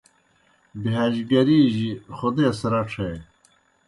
بِہَاج گری جیْ خودیس رڇھے۔